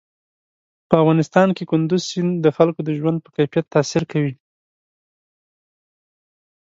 په افغانستان کې کندز سیند د خلکو د ژوند په کیفیت تاثیر کوي.